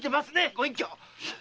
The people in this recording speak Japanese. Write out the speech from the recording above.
ご隠居！